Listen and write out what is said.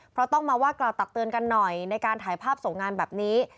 เพราะต้องมาว่ากล่าวตักเตือนกันหน่อยในการถ่ายภาพส่งงานแบบนี้